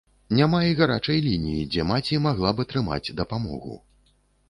Няма і гарачай лініі, дзе маці магла б атрымаць дапамогу.